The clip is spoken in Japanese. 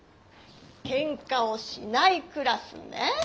「ケンカをしないクラス」ね。